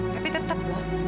tapi tetap ma